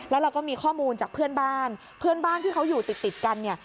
แล้วเราก็มีข้อมูลจากเพื่อนบ้านเพื่อนบ้านที่เขาอยู่ติดติดกันเนี่ย